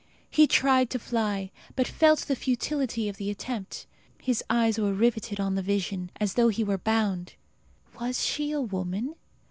He tried to fly, but felt the futility of the attempt. His eyes were riveted on the vision, as though he were bound. Was she a woman?